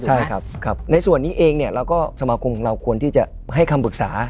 ใช่ครับในส่วนนี้เองเนี่ยเราก็สมาคมของเราควรที่จะให้คำปรึกษา